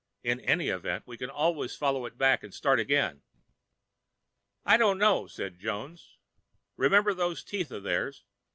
In any event, we can always follow it back and start again." "I dunno," said Jones. "Remember those teeth of theirs.